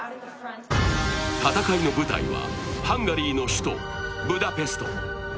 戦いの舞台はハンガリーの首都ブダペスト。